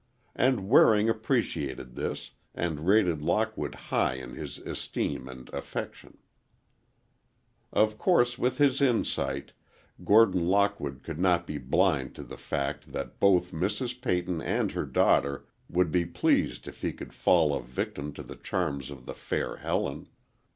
And Waring appreciated this, and rated Lockwood high in his esteem and affection. Of course, with his insight, Gordon Lockwood could not be blind to the fact that both Mrs. Peyton and her daughter would be pleased if he could fall a victim to the charms of the fair Helen.